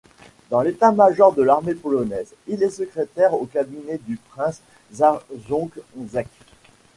Dans l'état-major de l'armée polonaise, il est secrétaire au cabinet du prince Zajonczek.